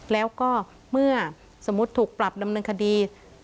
แล้วก็เมื่อสมมุติถูกปรับดำเนินคดี